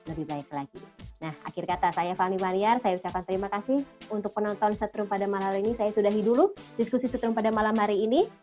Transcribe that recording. oke kita sudahi dulu diskusi twitter pada malam hari ini